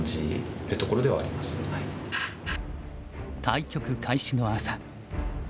対局開始の朝。